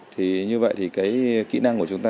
thì như vậy thì kỹ năng của chúng ta